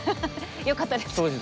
よかったです。